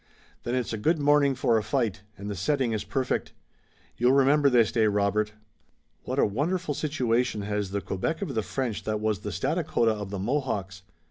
"Then it's a good morning for a fight, and the setting is perfect. You'll remember this day, Robert. What a wonderful situation has the Quebec of the French that was the Stadacona of the Mohawks!